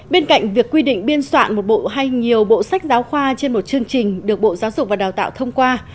bên cạnh việc quy định biên soạn một bộ hay nhiều bộ sách giáo khoa trên một chương trình được bộ giáo dục và đào tạo thông qua